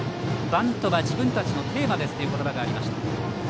バントは自分たちのテーマですという言葉がありました。